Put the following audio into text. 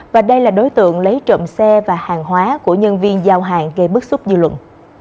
và đây là đối tượng lấy trộm xe và hàng hóa của nhân viên giao hàng gây bức xúc dư luận